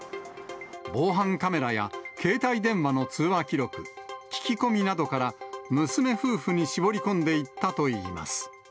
防犯カメラや携帯電話の通話記録、聞き込みなどから、娘夫婦に絞り込んでいったといいます。